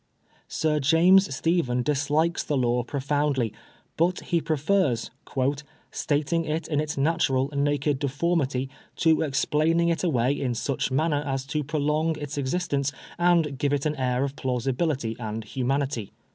Sir James Stephen dislikes the law profoundly, but he prefers "stating it in its natural naked deformity to explaining it away in such a manner as to prolong its existence and give it an air of plausibility and humanity."